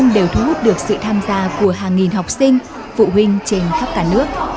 đều thu hút được sự tham gia của hàng nghìn học sinh phụ huynh trên khắp cả nước